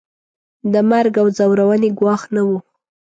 د مرګ او ځورونې ګواښ نه وو.